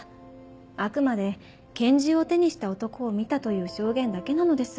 あくまで拳銃を手にした男を見たという証言だけなのです。